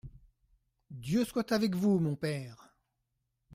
Dieu soit avec vous, mon père !